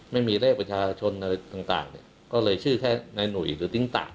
ไม่มีเลขประชาชนอะไรต่างเนี่ยก็เลยชื่อแค่นายหนุ่ยหรือติ้งต่าง